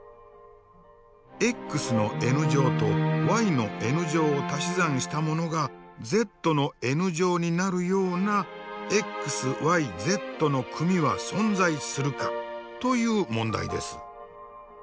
ｘのｎ乗とｙのｎ乗をたし算したものがｚのｎ乗になるようなｘｙｚの組みは存在するかという問題です。